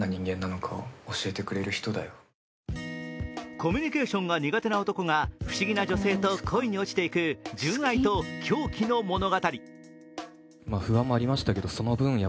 コミュニケーションが苦手な男が不思議な女性と恋に落ちていく純愛と狂気の物語。